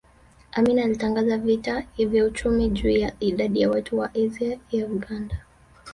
Amin alitangaza vita vya kiuchumi juu ya idadi ya watu wa Asia ya Uganda